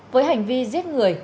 với hành vi giết người